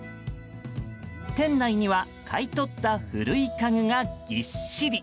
店内には買い取った古い家具がぎっしり。